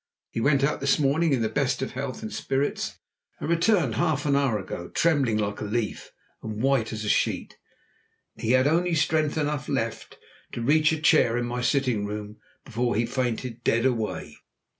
He went out this morning in the best of health and spirits, and returned half an hour ago trembling like a leaf and white as a sheet. He had only strength enough left to reach a chair in my sitting room before he fainted dead away.